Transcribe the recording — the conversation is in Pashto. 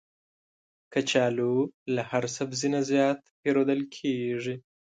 کچالو له هر سبزي نه زیات پېرودل کېږي